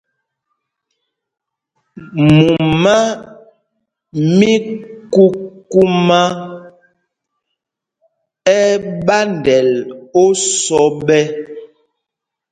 Mumá mí kukumá ɛ́ ɛ́ ɓandɛl osɔ ɓɛ́.